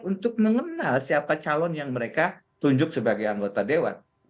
untuk mengenal siapa calon yang mereka tunjuk sebagai anggota dewan